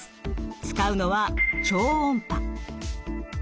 使うのは超音波。